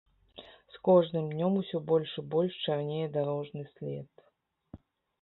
З кожным днём усё больш і больш чарнее дарожны след.